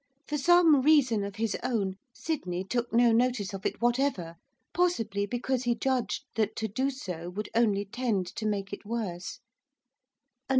For some reason of his own, Sydney took no notice of it whatever, possibly because he judged that to do so would only tend to make it worse.